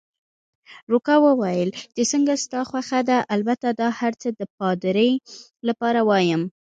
روکا وویل: چې څنګه ستا خوښه ده، البته دا هرڅه د پادري لپاره وایم.